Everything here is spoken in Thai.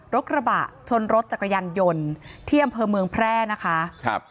กระบะชนรถจักรยานยนต์ที่อำเภอเมืองแพร่นะคะครับ